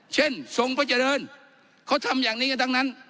ทรงพระเจริญเขาทำอย่างนี้กันทั้งนั้น